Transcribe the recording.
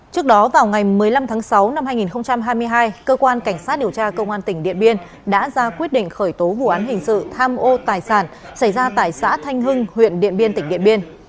trước đó vào ngày một mươi năm tháng sáu năm hai nghìn hai mươi hai cơ quan cảnh sát điều tra công an tỉnh điện biên đã ra quyết định khởi tố vụ án hình sự tham ô tài sản xảy ra tại xã thanh hưng huyện điện biên tỉnh điện biên